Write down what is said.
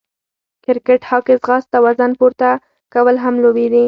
کرکېټ، هاکې، ځغاسته، وزن پورته کول هم لوبې دي.